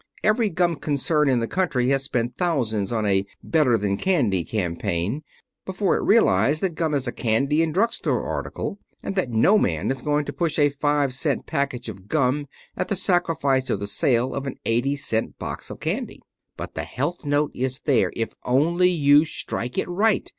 Every gum concern in the country has spent thousands on a 'better than candy' campaign before it realized that gum is a candy and drug store article, and that no man is going to push a five cent package of gum at the sacrifice of the sale of an eighty cent box of candy. But the health note is there, if only you strike it right.